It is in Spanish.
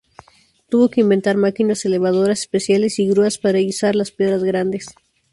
Tuvo que inventar máquinas elevadoras especiales y grúas para izar las piedras grandes.